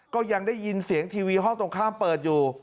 ก็ยังได้ยินเสียงทีวีห้องตรงข้ามเปิดอยู่